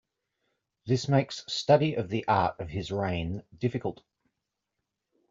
This makes study of the art of his reign difficult.